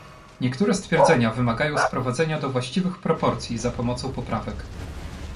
Niektóre stwierdzenia wymagają sprowadzenia do właściwych proporcji za pomocą poprawek